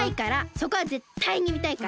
そこはぜったいにみたいから！